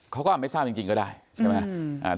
เขาก็อาจไม่ทราบจริงก็ได้ใช่ไหม